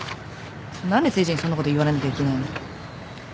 何で誠治にそんなこと言われなきゃいけないの？